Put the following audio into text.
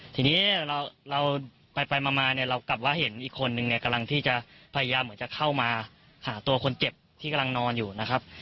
ทีนี้เรากลับว่าเห็นอีกคนกำลังที่พยายามเหมือนจะเข้ามาหาตัวคนเจ็บที่กำลังนอนอยู่นะครับ